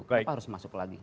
kenapa harus masuk lagi